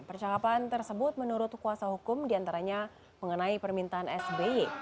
percakapan tersebut menurut kuasa hukum diantaranya mengenai permintaan sby